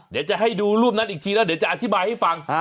เดี๋ยวจะให้ดูรูปนั้นอีกทีแล้วเดี๋ยวจะอธิบายให้ฟัง